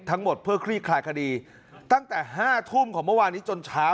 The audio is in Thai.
ทั้งหมดเพื่อคลี่คลายคดีตั้งแต่ห้าทุ่มของเมื่อวานนี้จนเช้า